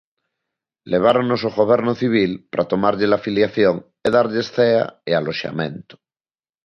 Leváronos ao goberno civil para tomarlles a filiación e darlles cea e aloxamento.